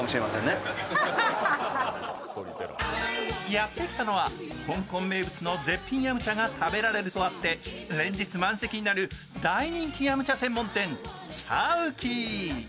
やってきたのは、香港名物の絶品飲茶が食べられるとあって連日満席になる大人気飲茶専門店チャウキー。